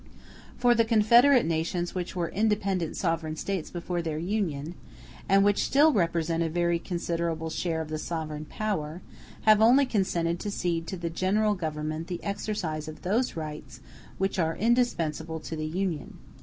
For the confederate nations which were independent sovereign States before their union, and which still represent a very considerable share of the sovereign power, have only consented to cede to the general Government the exercise of those rights which are indispensable to the Union.